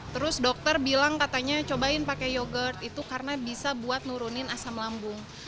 terus dokter bilang katanya cobain pakai yogurt itu karena bisa buat nurunin asam lambung